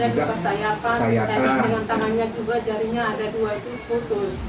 dan dengan tangannya juga jarinya ada dua itu putus